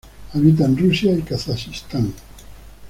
Habita en Rusia y Kazajistán.